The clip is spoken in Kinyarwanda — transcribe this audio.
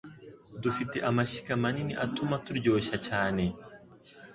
Dufite amashyiga manini atuma turyoshya cyane.